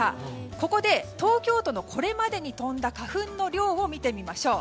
ここで、東京都のこれまでに飛んだ花粉の量を見てみましょう。